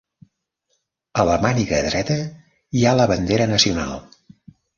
A la màniga dreta hi ha la bandera nacional.